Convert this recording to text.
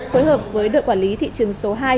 phối hợp với đội quản lý thị trường số hai